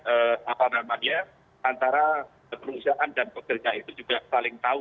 antara perusahaan dan pekerja itu juga saling tahu